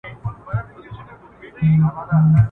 شین سهار وو د مخلوق جوپې راتللې.